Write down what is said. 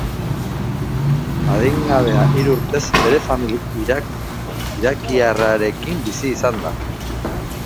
Adingabea hiru urtez bere familia irakiarrarekin bizi izan da.